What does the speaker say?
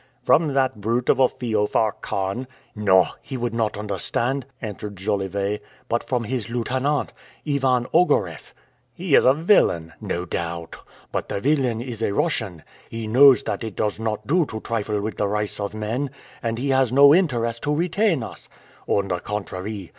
"From that brute of a Feofar Khan?" "No; he would not understand," answered Jolivet; "but from his lieutenant, Ivan Ogareff." "He is a villain." "No doubt; but the villain is a Russian. He knows that it does not do to trifle with the rights of men, and he has no interest to retain us; on the contrary.